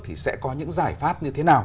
thì sẽ có những giải pháp như thế nào